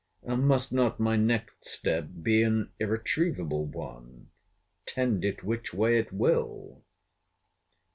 And must not my next step be an irretrievable one, tend it which way it will?